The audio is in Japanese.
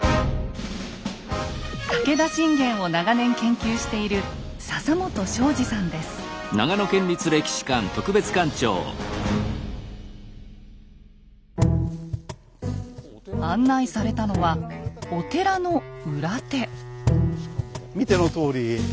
武田信玄を長年研究している案内されたのはお寺の裏手。